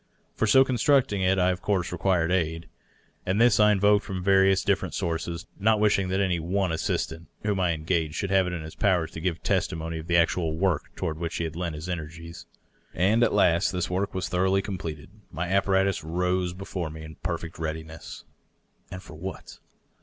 For so con structing it I of course required aid, and this I invoked from various different sources, not wishing that any one assistant whom I engaged should have it in his power to give testimony of the actual work toward which he had lent his energies^ And at last this work was thoroughly completed. My apparatus rose before me in perfect readiness. And for what?